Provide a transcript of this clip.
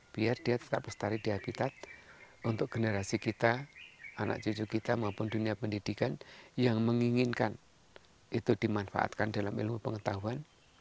biar dia tetap lestari di habitat untuk generasi kita anak cucu kita maupun dunia pendidikan yang menginginkan itu dimanfaatkan dalam ilmu pengetahuan